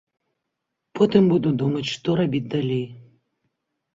Потым буду думаць, што рабіць далей.